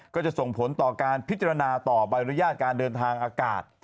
ก็จะส่งผลต่อการพิจารณาต่อใบอนุญาตการเดินทางอากาศ